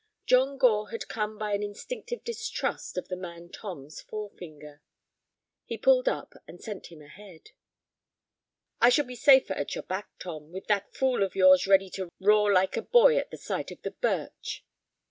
John Gore had come by an instinctive distrust of the man Tom's forefinger. He pulled up, and sent him ahead. "I shall be safer at your back, Tom, with that tool of yours ready to roar like a boy at the sight of the birch."